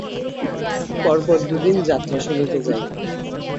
পর পর দুদিন যাত্রা শুনিতে যায়।